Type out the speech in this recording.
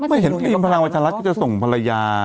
ไม่เห็นว่าเตรียมพลังวัชลักษณ์ก็จะส่งภรรยา